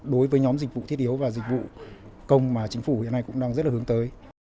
đối với nhóm dịch vụ thiết yếu và dịch vụ công mà chính phủ hiện nay cũng đang rất là hướng tới